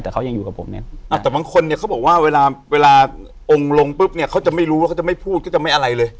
แต่เขายังอยู่กับผมเนี่ยแต่บางคนเนี่ยเขาบอกว่าเวลาเวลาองค์ลงปุ๊บเนี่ยเขาจะไม่รู้ว่าเขาจะไม่พูดเขาจะไม่อะไรเลย